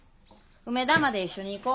梅田まで一緒に行こ。